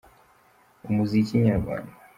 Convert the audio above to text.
Umuziki nyarwanda.